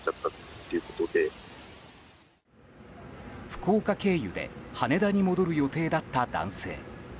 福岡経由で羽田に戻る予定だった男性。